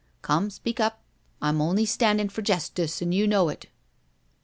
Come, speak up — I'm on*y standin* for jestice, and yo* know it."